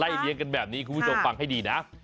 เลี้ยงกันแบบนี้คุณผู้ชมฟังให้ดีนะ